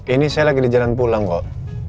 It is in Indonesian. ini saya lagi di jalan pulang kok